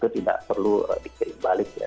tidak perlu dikering balik ya